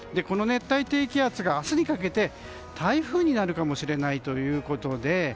この熱帯低気圧が明日にかけて台風になるかもしれないということで。